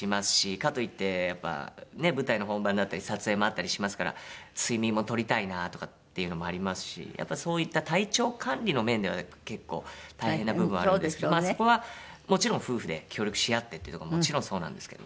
かといってやっぱね舞台の本番だったり撮影もあったりしますから睡眠も取りたいなとかっていうのもありますしやっぱそういった体調管理の面では結構大変な部分はあるんですけどまあそこはもちろん夫婦で協力し合ってっていうとこももちろんそうなんですけど。